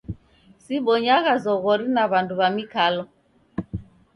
Sibonyagha zoghori na w'andu w'a mikalo.